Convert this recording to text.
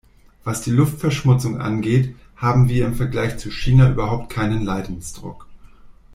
Was die Luftverschmutzung angeht, haben wir im Vergleich zu China überhaupt keinen Leidensdruck.